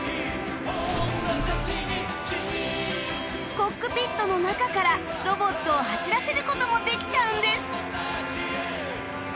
コックピットの中からロボットを走らせる事もできちゃうんです